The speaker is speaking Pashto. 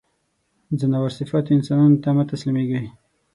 ځناور صفتو انسانانو ته مه تسلیمېږی.